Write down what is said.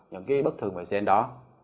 những cái bất thường về sinh đó